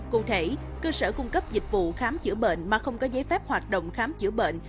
cụ thể cơ sở cung cấp dịch vụ khám chữa bệnh mà không có giấy phép hoạt động khám chữa bệnh